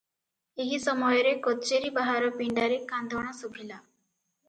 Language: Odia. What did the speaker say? ଏହି ସମୟରେ କଚେରୀ ବାହାର ପିଣ୍ଡାରେ କାନ୍ଦଣା ଶୁଭିଲା ।